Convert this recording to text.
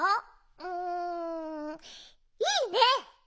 うんいいね！